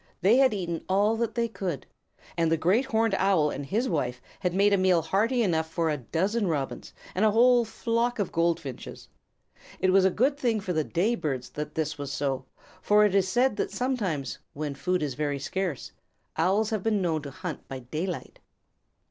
They had eaten all that they could, and the Great Horned Owl and his wife had made a meal hearty enough for a dozen Robins, and a whole flock of Goldfinches. It was a good thing for the day birds that this was so, for it is said that sometimes, when food is very scarce, Owls have been known to hunt by daylight.